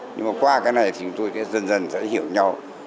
nhưng mà qua cái này thì chúng tôi sẽ dần dần sẽ hiểu nhau